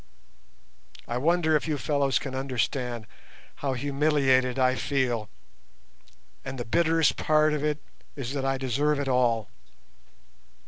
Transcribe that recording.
I wonder if you fellows can understand how humiliated I feel, and the bitterest part of it is that I deserve it all.